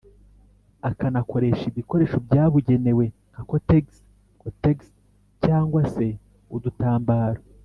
akanakoresha ibikoresho byabugenewe nka kotegisi (cotex) cyangwa se udutambaro